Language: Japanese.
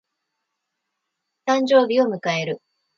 誕生日を迎える。